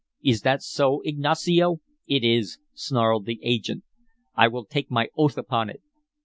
Is that so, Ignacio?" "It is," snarled the "agent." "I will take my oath upon it."